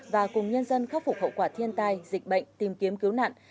và cùng nhân dân khắc phục hậu quả thiên tai dịch bệnh tìm kiếm cứu nạn